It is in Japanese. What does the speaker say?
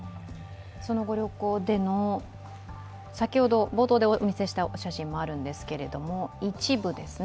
そのご旅行での、先ほど冒頭でお見せした写真もあるんですけど、その一部ですね。